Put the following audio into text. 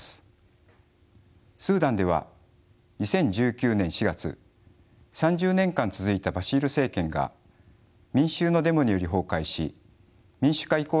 スーダンでは２０１９年４月３０年間続いたバシール政権が民衆のデモにより崩壊し民主化移行政権が誕生しました。